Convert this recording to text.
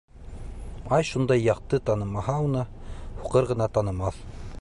Ай шундай яҡты, танымаһа уны, һуҡыр ғына танымаҫ...